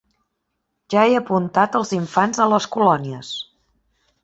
Ja he apuntat els infants a les colònies.